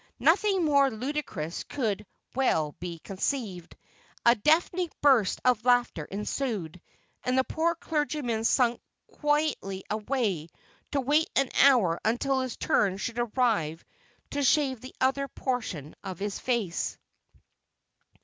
Nothing more ludicrous could well be conceived. A deafening burst of laughter ensued, and the poor clergyman slunk quietly away to wait an hour until his turn should arrive to shave the other portion of his face.